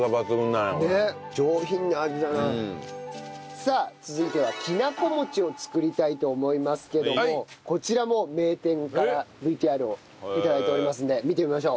さあ続いてはきなこ餅を作りたいと思いますけどもこちらも名店からＶＴＲを頂いておりますんで見てみましょう。